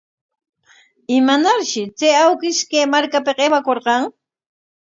¿Imanarshi chay awkish kay markapik aywakurqan?